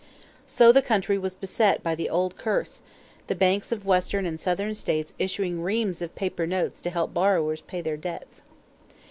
So the country was beset by the old curse, the banks of Western and Southern states issuing reams of paper notes to help borrowers pay their debts.